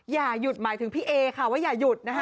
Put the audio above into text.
อย่าหยุดหมายถึงพี่เอค่ะว่าอย่าหยุดนะคะ